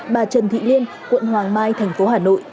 bà trần thị liên quận hoàng mai tp hà nội